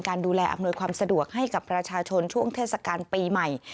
ดูแลอำนวยความสะดวกให้กับประชาชนช่วงเทศกาลปีใหม่